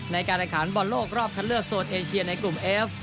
ในการแข่งขันบอลโลกรอบคัดเลือกโซนเอเชียในกลุ่มเอฟ